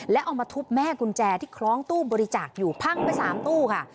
แล้วเอามาทุบแม่กุญแจที่คล้องตู้บริจาคอยู่พังไป๓ตู้ค่ะ